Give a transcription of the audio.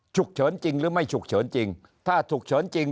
ฉุกเฉินจริงหรือไม่ฉุกเฉินจริงถ้าฉุกเฉินจริง